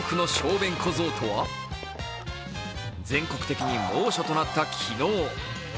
全国的に猛暑となった昨日。